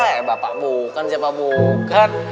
kayak bapak bukan siapa bukan